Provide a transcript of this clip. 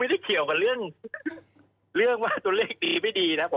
ไม่ได้เกี่ยวกับเรื่องว่าตัวเลขดีไม่ดีนะผม